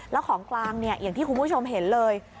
แล้วของกลางเนี่ยอย่างที่คุณผู้ชมเห็นเลย